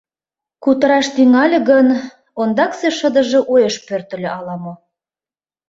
Кутыраш тӱҥале гын, ондаксе шыдыже уэш пӧртыльӧ ала-мо.